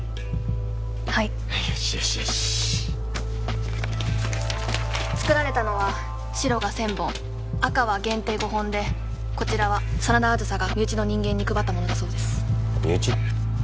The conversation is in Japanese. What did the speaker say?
はいよしよしよし作られたのは白が１０００本赤は限定５本でこちらは真田梓が身内の人間に配ったものだそうです身内？